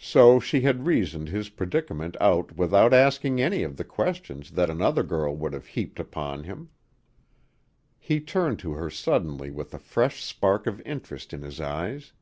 So she had reasoned his predicament out without asking any of the questions that another girl would have heaped upon him. He turned to her suddenly with a fresh spark of interest in his eyes.